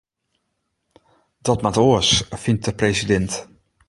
Dat moat oars, fynt de presidint.